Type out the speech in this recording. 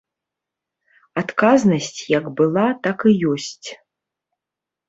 Адказнасць як была, так і ёсць.